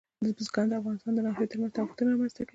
بزګان د افغانستان د ناحیو ترمنځ تفاوتونه رامنځته کوي.